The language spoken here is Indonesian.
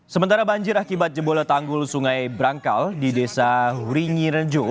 sementara banjir akibat jebolo tanggul sungai brangkal di desa huringi renjung